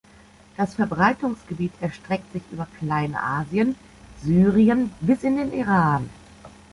Das Verbreitungsgebiet erstreckt sich über Kleinasien, Syrien bis in den Iran.